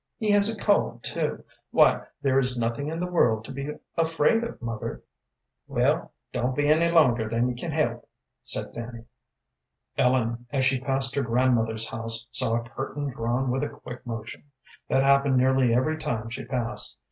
He has a cold, too. Why, there is nothing in the world to be afraid of, mother." "Well, don't be any longer than you can help," said Fanny. Ellen, as she passed her grandmother's house, saw a curtain drawn with a quick motion. That happened nearly every time she passed.